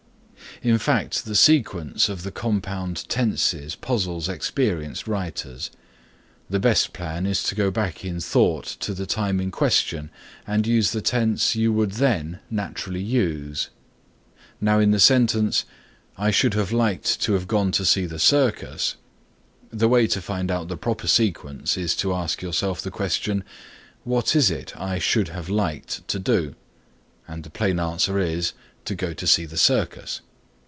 In fact the sequence of the compound tenses puzzle experienced writers. The best plan is to go back in thought to the time in question and use the tense you would then naturally use. Now in the sentence "I should have liked to have gone to see the circus" the way to find out the proper sequence is to ask yourself the question what is it I "should have liked" to do? and the plain answer is "to go to see the circus."